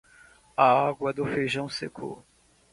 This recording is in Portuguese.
A água do feijão secou.